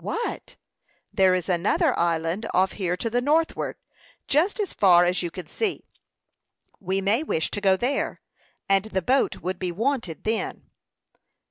"What?" "There is another island off here to the northward, just as far as you can see. We may wish to go there, and the boat would be wanted then."